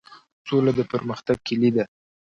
سوله د پرمختګ کیلي ده؟